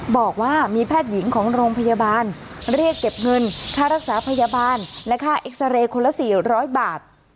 บอกว่ามีแพทย์หญิงของโรงพยาบาลเรียกเก็บเงินค่ารักษาพยาบาลและค่าเอ็กซาเรย์คนละ๔๐๐บาท